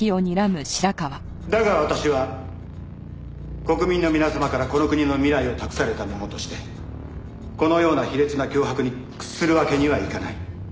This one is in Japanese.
だが私は国民の皆様からこの国の未来を託された者としてこのような卑劣な脅迫に屈するわけにはいかない。